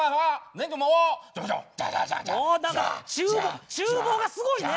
何かちゅう房がすごいね！